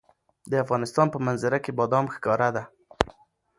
د افغانستان په منظره کې بادام ښکاره ده.